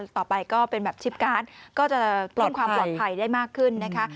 ต่อไปก็เป็นแบบชิปการ์ดก็จะเพิ่มความปลอดภัยได้มากขึ้นนะคะ